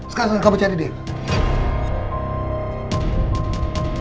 sekarang kamu cari dia